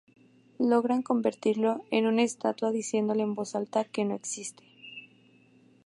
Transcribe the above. Logran convertirlo en una estatua diciendo en voz alta que "no existe".